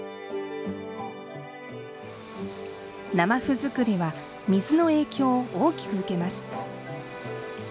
生麩作りは水の影響を大きく受けます。